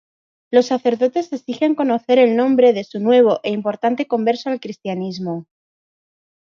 Los sacerdotes exigen conocer el nombre de su nuevo e importante converso al cristianismo.